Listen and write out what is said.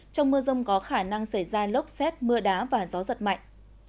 trong mưa rông có khả năng xảy ra lốc xét mưa đá và gió giật mạnh